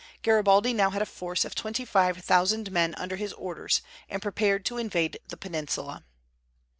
Garibaldi now had a force of twenty five thousand men under his orders, and prepared to invade the peninsula.